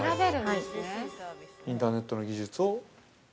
◆インターネットの技術を？